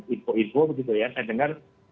itu itu saya dengar